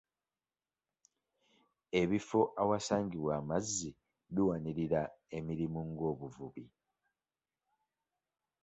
Ebifo ewasangibwa amazzi biwanirira emirimu ng'obuvubi.